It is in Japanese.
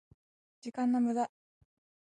時間の無駄？